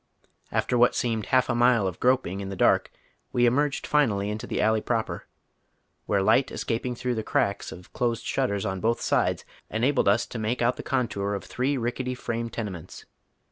After what seemed half a mile of gi oping in the dark we emerged finally into the alley proper, where light escaping through the cracks of closed slmttersou both sides enabled us to iiLike out the contour of tiiree rickety frame tenements.